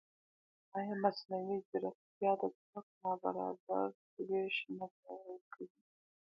ایا مصنوعي ځیرکتیا د ځواک نابرابر وېش نه پیاوړی کوي؟